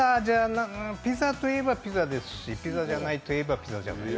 ピザといえばピザですしピザじゃないといえばピザ。